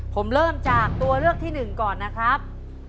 ผมเริ่มจากตัวเลือกที่๑ก่อนนะครับ